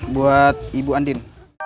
buat ibu andin